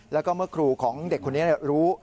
แล้วก็เมื่อครูของเด็กคนนี้รู้